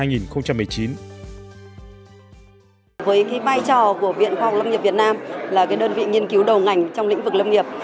với vai trò của viện khoa học lâm nghiệp việt nam là đơn vị nghiên cứu đầu ngành trong lĩnh vực lâm nghiệp